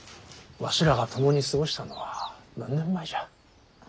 わしらが共に過ごしたのは何年前じゃ。